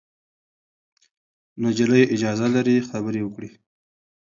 نجلۍ اجازه لري خبرې وکړي.